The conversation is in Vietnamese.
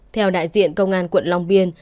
theo đại diện công an quận long biên